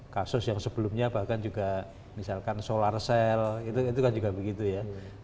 kasus yang sebelumnya bahkan juga misalkan solar cell itu kan juga begitu ya